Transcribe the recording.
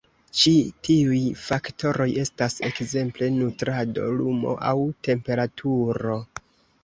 Ĉi-tiuj faktoroj estas ekzemple nutrado, lumo aŭ temperaturo.